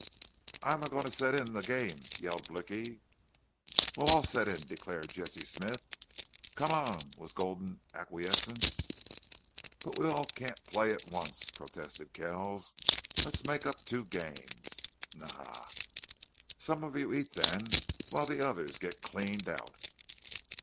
"I'm a goin' to set in the game!" yelled Blicky. "We'll all set in," declared Jesse Smith. "Come on!" was Gulden's acquiescence. "But we all can't play at once," protested Kells. "Let's make up two games." "Naw!" "Some of you eat, then, while the others get cleaned out."